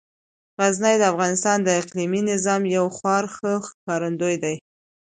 غزني د افغانستان د اقلیمي نظام یو خورا ښه ښکارندوی دی.